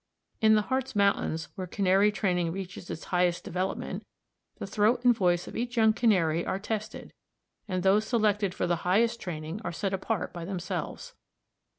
In the Hartz Mountains, where Canary training reaches its highest development, the throat and voice of each young Canary are tested, and those selected for the highest training are set apart by themselves.